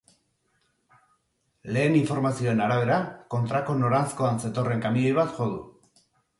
Lehen informazioen arabera, kontrako noranzkoan zetorren kamioi bat jo du.